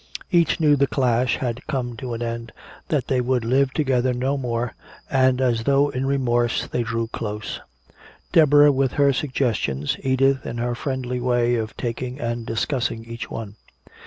Each knew the clash had come to an end, that they would live together no more; and as though in remorse they drew close, Deborah with her suggestions, Edith in her friendly way of taking and discussing each one.